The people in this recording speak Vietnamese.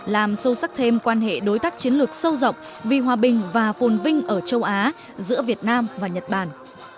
làm sâu sắc thêm quan hệ đối tác chiến lược sâu rộng vì hòa bình và phồn vinh ở châu á giữa việt nam và nhật bản